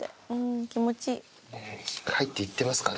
入っていってますかね？